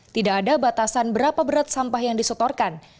tidak ada batasan berapa berat sampah yang disetorkan